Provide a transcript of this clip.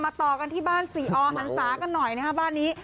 ต่อกันที่บ้านสี่อหันศากันหน่อยนะครับบ้านนี้